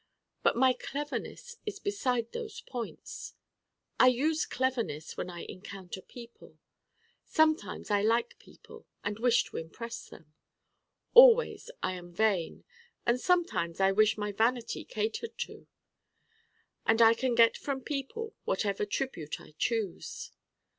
But my Cleverness is beside those points. I use Cleverness when I encounter people. Sometimes I like people and wish to impress them. Always I am vain and sometimes I wish my vanity catered to. And I can get from people whatever tribute I choose.